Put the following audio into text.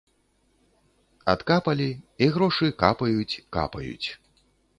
Адкапалі, і грошы капаюць, капаюць.